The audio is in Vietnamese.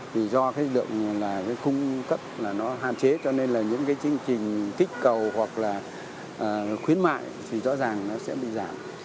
thì do cái lượng là cái cung cấp là nó hạn chế cho nên là những cái chương trình kích cầu hoặc là khuyến mại thì rõ ràng nó sẽ bị giảm